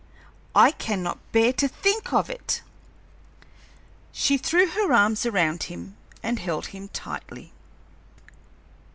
I cannot bear to think of it!" She threw her arms around him and held him tightly.